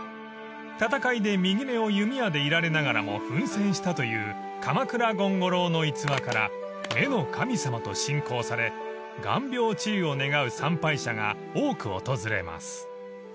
［戦いで右目を弓矢で射られながらも奮戦したという鎌倉権五郎の逸話から目の神様と信仰され眼病治癒を願う参拝者が多く訪れます］